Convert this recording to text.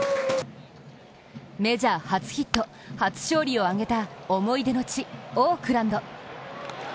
メジャー初ヒット、初勝利を挙げた思い出の地・オークランド。